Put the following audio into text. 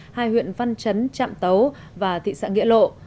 hai huyện văn chấn trạm tấu và thị xã nghĩa lộ